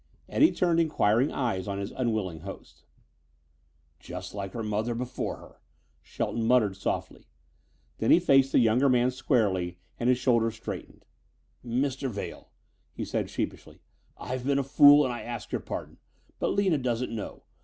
Eddie turned inquiring eyes on his unwilling host. "Just like her mother before her," Shelton muttered softly. Then he faced the younger man squarely and his shoulders straightened. "Mr. Vail," he said sheepishly, "I've been a fool and I ask your pardon. But Lina doesn't know.